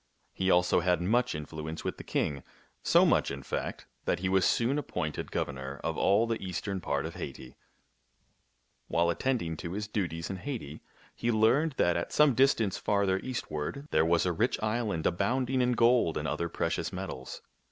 He also had much influence with the king — so much, in fact, that he was soon appointed governor of all the eastern part of Haiti. 23 24 THIRTY MORE FAMOUS STORIES While attending to his duties in Haiti, he learned that at some distance farther eastward there was a rich island abounding in gold and other precious metals.